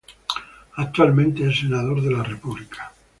Actualmente es senador de la república.